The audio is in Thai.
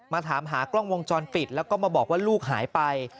มาถามหากล้องวงจรปิดแล้วก็มาบอกว่าลูกหายไป